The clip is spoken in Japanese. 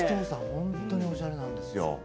本当におしゃれなんですよ。